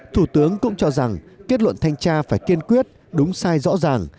thủ tướng cũng cho rằng kết luận thanh tra phải kiên quyết đúng sai rõ ràng